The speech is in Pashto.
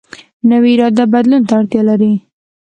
نوې اراده بدلون ته اړتیا لري